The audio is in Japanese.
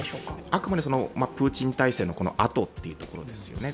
あくまでプーチン体制のあとというところですよね。